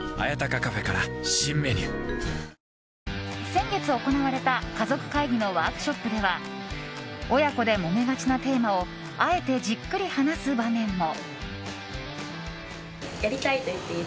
先月行われたかぞくかいぎのワークショップでは親子でもめがちなテーマをあえてじっくり話す場面も。